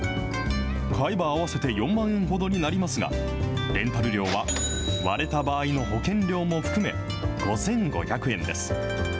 買えば合わせて４万円ほどになりますが、レンタル料は割れた場合の保険料も含め５５００円です。